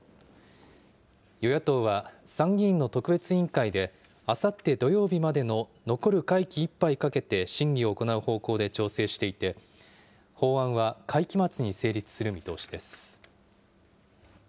与野党は参議院の特別委員会で、あさって土曜日までの残る会期いっぱいかけて審議を行う方向で調整していて、法案は会期末に成立する見通しです。